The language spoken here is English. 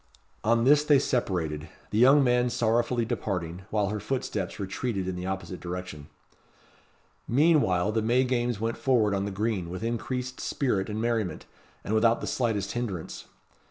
On this they separated: the young man sorrowfully departing, while her footsteps retreated in the opposite direction. Meanwhile the May games went forward on the green with increased spirit and merriment, and without the slightest hinderance.